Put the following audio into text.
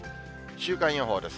週間予報です。